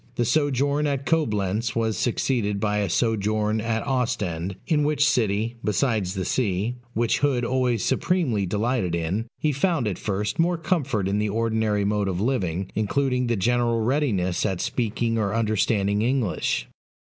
The sojourn at Coblentz was succeeded by a sojourn at Ostend; in which city besides the sea, which Hood always supremely delighted in he found at first more comfort in the ordinary mode of living, including the general readiness at speaking or understanding English.